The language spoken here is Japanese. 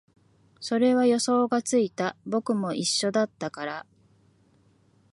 それは予想がついた、僕も一緒だったから